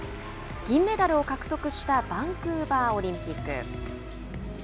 銀メダルを獲得したバンクーバーオリンピック。